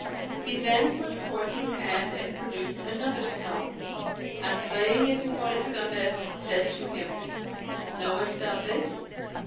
He then put forth his hand and produced another skull and, laying it before Iskandar, said to him, "Knowest thou this?"